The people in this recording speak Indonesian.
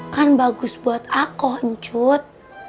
kan bagus buat aku cut